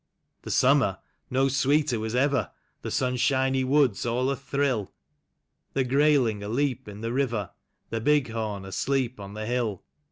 The summer — no sweeter was ever; The sunshiny woods all athrill; The greyling aleap in the river, The bighorn asleep on the hill.